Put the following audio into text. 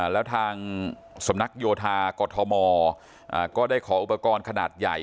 แล้วทางสำนักโยธากรทมก็ได้ขออุปกรณ์ขนาดใหญ่